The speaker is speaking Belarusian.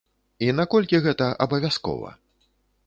І наколькі гэта абавязкова?